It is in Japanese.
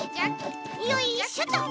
よいしょっと！